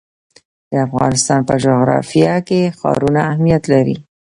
د افغانستان په جغرافیه کې ښارونه اهمیت لري.